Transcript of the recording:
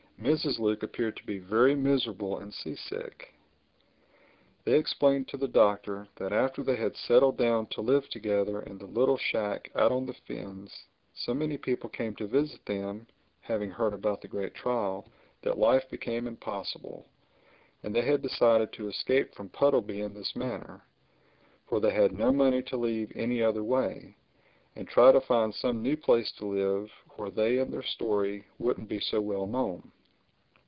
Mrs. Luke appeared to be very miserable and seasick. They explained to the Doctor that after they had settled down to live together in the little shack out on the fens, so many people came to visit them (having heard about the great trial) that life became impossible; and they had decided to escape from Puddleby in this manner—for they had no money to leave any other way—and try to find some new place to live where they and their story wouldn't be so well known.